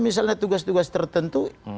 misalnya tugas tugas tertentu